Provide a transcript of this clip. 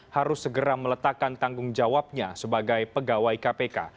harus segera meletakkan tanggung jawabnya sebagai pegawai kpk